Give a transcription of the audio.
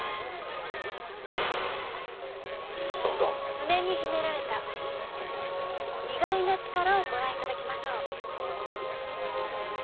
爪に秘められた意外な力をご覧いただきましょう！